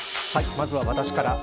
まずは私から。